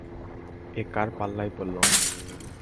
এ কার পাল্লায় পড়লাম!